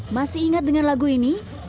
masih ingat dengan lagu ini